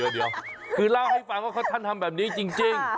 เดี๋ยวคือเล่าให้ฟังว่าท่านทำแบบนี้จริง